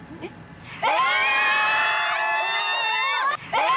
えっ？